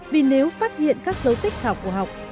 vì nếu phát hiện các dấu tích khảo cổ học